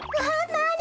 なに？